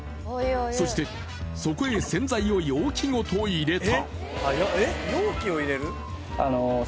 そして、そこへ洗剤を容器ごと入れた。